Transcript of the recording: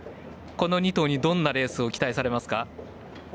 この２頭に、どんなレースを期待されますか？